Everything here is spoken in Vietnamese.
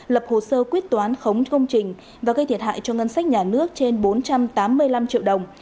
lập hồ sơ quyết toán khống công trình và gây thiệt hại cho ngân sách nhà nước trên bốn trăm tám mươi năm triệu đồng